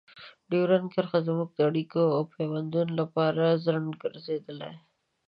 ډیورنډ کرښه زموږ د اړیکو او پيوندونو لپاره خنډ ګرځېدلې.